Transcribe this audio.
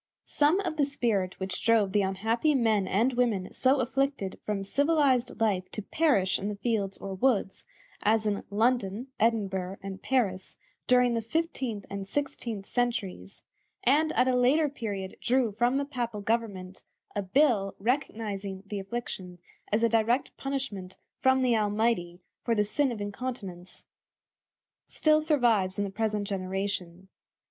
Some of the spirit which drove the unhappy men and women so afflicted from civilized life to perish in the fields or woods, as in London, Edinburgh, and Paris, during the fifteenth and sixteenth centuries, and at a later period drew from the Papal government a bull recognizing the affliction as a direct punishment from the Almighty for the sin of incontinence, still survives in the present generation.